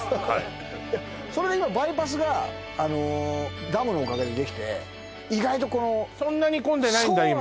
はいそれが今バイパスがダムのおかげでできて意外とこのそんなに混んでないんだ